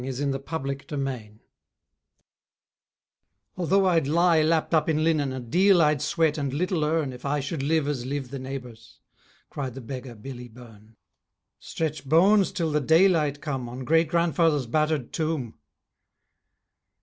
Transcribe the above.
UNDER THE ROUND TOWER 'Although I'd lie lapped up in linen A deal I'd sweat and little earn If I should live as live the neighbours,' Cried the beggar, Billy Byrne; 'Stretch bones till the daylight come On great grandfather's battered tomb.'